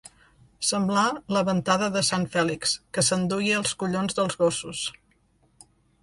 Semblar la ventada de Sant Fèlix, que s'enduia els collons dels gossos.